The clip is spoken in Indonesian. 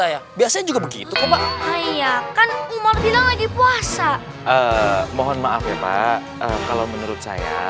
ya biasanya juga begitu hai ya kan umar bilang lagi puasa mohon maaf ya pak kalau menurut saya